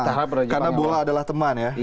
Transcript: karena bola adalah teman ya